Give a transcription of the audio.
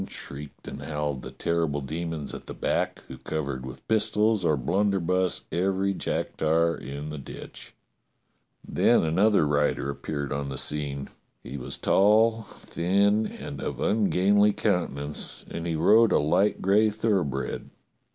shrieked THE FIGHT 213 and howled the terrible demons at the back, who covered with pistols or blunderbuss every Jack Tar in the ditch. Then another rider appeared on the scene. He was tall, thin, and of ungainly countenance, and he rode a light gray thoroughbred.